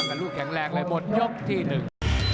แต่ลูกแข็งแรงเลยหมดยกที่หนึ่ง